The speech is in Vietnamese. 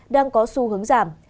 đang có xu hướng giảm